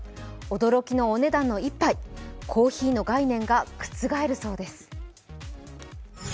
驚きのお値段の１杯、コーヒーの概念が覆るそうです。